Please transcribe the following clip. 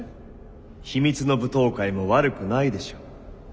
秘密の舞踏会も悪くないでしょう。